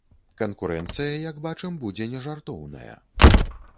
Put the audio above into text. Канкурэнцыя, як бачым, будзе не жартоўная.